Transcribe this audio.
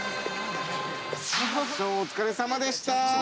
◆ショー、お疲れさまでした。